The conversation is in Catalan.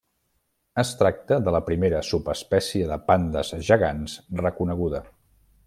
Es tracta de la primera subespècie de pandes gegants reconeguda.